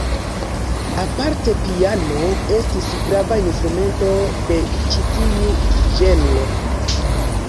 Aparte piano estis grava instrumento de ĉi tiu ĝenro.